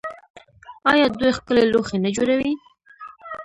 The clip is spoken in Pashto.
آیا دوی ښکلي لوښي نه جوړوي؟